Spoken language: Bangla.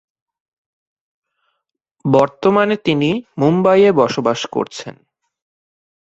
বর্তমানে তিনি মুম্বাইয়ে বসবাস করছেন।